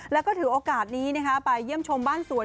แล้วก็ถือโอกาสนี้ไปเยี่ยมชมบ้านสวน